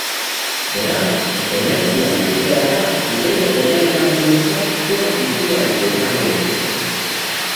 Beraz, energia nuklearra hurrengo belaunaldientzat zor izugarria izan daiteke.